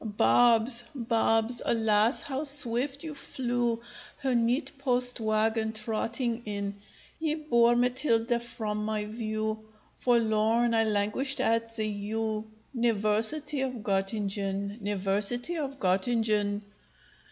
_] Barbs! barbs! alas! how swift you flew, Her neat post wagon trotting in! Ye bore Matilda from my view; Forlorn I languished at the U niversity of Gottingen, niversity of Gottingen.